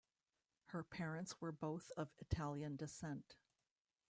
Her parents were both of Italian descent.